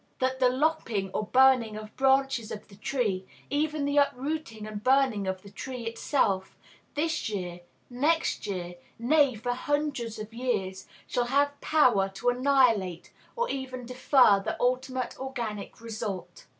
That the lopping or burning of branches of the tree, even the uprooting and burning of the tree itself, this year, next year, nay, for hundreds of years, shall have power to annihilate or even defer the ultimate organic result?